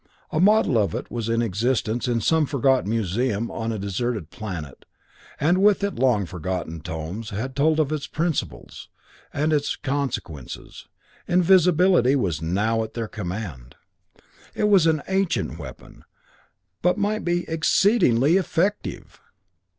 A model of it was in existence in some forgotten museum on a deserted planet, and with it long forgotten tomes that told of its principles, and of its consequences. Invisibility was now at their command. It was an ancient weapon, but might be exceedingly effective!